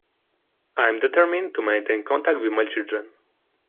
I am determined to maintain contact with my children.